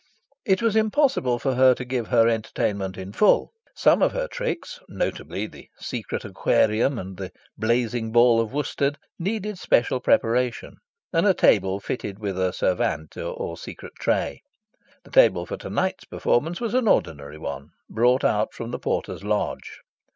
It was impossible for her to give her entertainment in full. Some of her tricks (notably the Secret Aquarium, and the Blazing Ball of Worsted) needed special preparation, and a table fitted with a "servante" or secret tray. The table for to night's performance was an ordinary one, brought out from the porter's lodge.